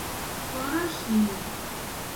ښکاره شي